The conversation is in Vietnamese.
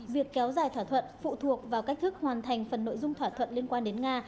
việc kéo dài thỏa thuận phụ thuộc vào cách thức hoàn thành phần nội dung thỏa thuận liên quan đến nga